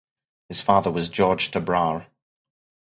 His father was George Tabrar.